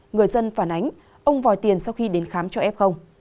người dân phản ánh ông vòi tiền sau khi đến khám cho f